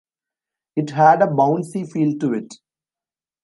It had a bouncy feel to it.